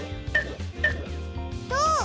どう？